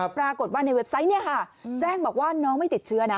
ปรากฏว่าในเว็บไซต์แจ้งบอกว่าน้องไม่ติดเชื้อนะ